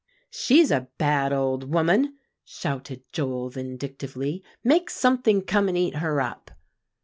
'" "She's a bad old woman," shouted Joel vindictively; "make something come and eat her up."